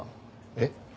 えっ？